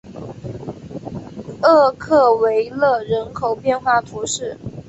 厄克维勒人口变化图示